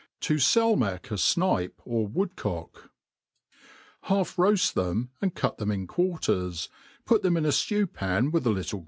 To falmic n Snipe or fVoodcock HALF roafttdem, akid cut them in quarters, put them itif ftew^^an with a little